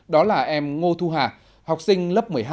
đó là em ngô thu hà học sinh lớp một mươi hai